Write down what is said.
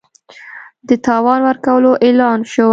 د تاوان ورکولو اعلان شوی